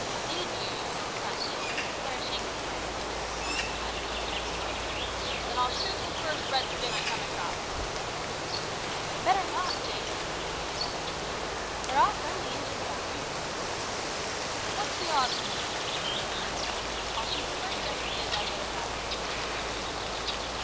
"Did ye?" cried Jake, flourishing his rifle over his head and uttering a terrible oath, "then I'll shoot the first Redskin I come across." "Better not, Jake," said one of his men. "They're all friendly Injins about here." "What's the odds to me!" yelled the drunken wretch. "I'll shoot the first I see as I would a rabbit."